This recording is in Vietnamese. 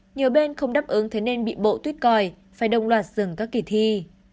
nhiều bên không đáp ứng thế nên bị bộ tuyết coi phải đông loạt dừng các kỷ thi